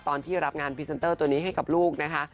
ตอนที่รับงานพรีเซนเตอร์ตัวนี้ให้กับลูกนะคะ